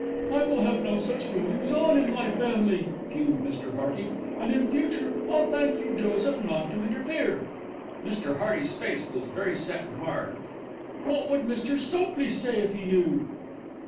"I will have no such goings on in my family," fumed Mr. Hearty, "and in future I'll thank you, Joseph, not to interfere." Mr. Hearty's face was very set and hard. "What would Mr. Sopley say if he knew?"